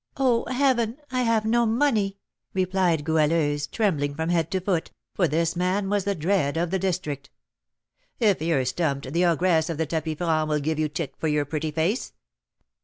"Oh, Heaven! I have no money," replied Goualeuse, trembling from head to foot, for this man was the dread of the district. "If you're stumped, the ogress of the tapis franc will give you tick for your pretty face."